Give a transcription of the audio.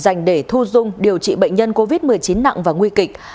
dành để thu dung điều trị bệnh nhân covid một mươi chín nặng và nguy kịch